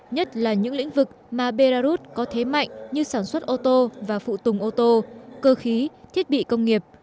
nhất là những lĩnh vực mà belarus có thế mạnh như sản xuất ô tô và phụ tùng ô tô cơ khí thiết bị công nghiệp